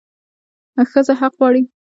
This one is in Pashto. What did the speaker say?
ښځه حق غواړي